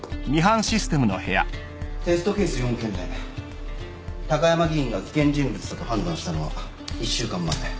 テストケース４件目高山議員が危険人物だと判断したのは１週間前。